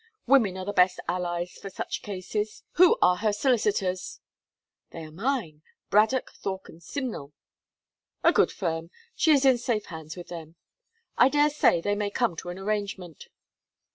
Women are the best allies for such cases. Who are her solicitors?' 'They are mine: Braddock, Thorpe, and Simnel.' 'A good firm. She is in safe hands with them. I dare say they may come to an arrangement.'